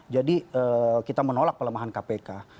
jadi kita menolak pelemahan kpk